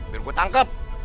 biar gue tangkep